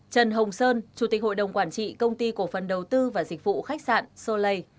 trần hồng sơn chủ tịch hội đồng quản trị công ty cổ phần đầu tư và dịch vụ khách sạn solay